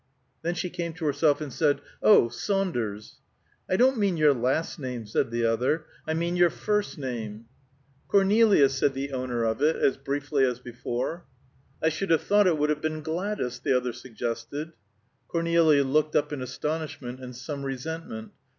Then she came to herself and said, "Oh! Saunders." "I don't mean your last name," said the other, "I mean your first name." "Cornelia," said the owner of it, as briefly as before. "I should have thought it would have been Gladys," the other suggested. Cornelia looked up in astonishment and some resentment.